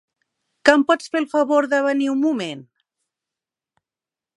Que em pots fer el favor de venir un moment?